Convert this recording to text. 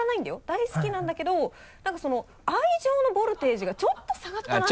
大好きなんだけどなんかその愛情のボルテージがちょっと下がったなっていう。